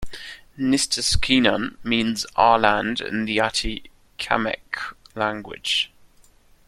"Nistaskinan" means "our land" in the Atikamekw language.